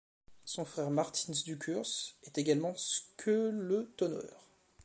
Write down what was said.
Son frère Martins Dukurs est également skeletoneur.